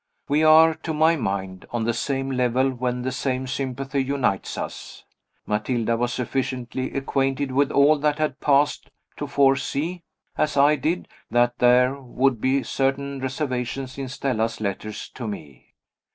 We are, to my mind, on the same level when the same sympathy unites us. Matilda was sufficiently acquainted with all that had passed to foresee, as I did, that there would be certain reservations in Stella's letters to me.